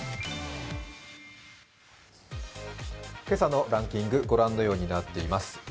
今朝のランキング御覧のようになっています。